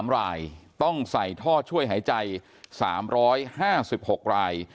๓รายต้องใส่ท่อช่วยหายใจ๓๕๖ราย